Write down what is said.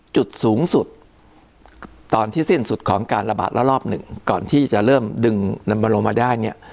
จุดสูงสุดตอนที่สิ้นสุดของการระบาดรอบ๑ก่อนที่จะเริ่มดึงนำบรมมาได้